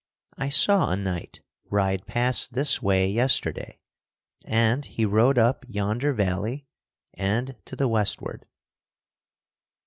I saw a knight ride past this way yesterday, and he rode up yonder valley and to the westward."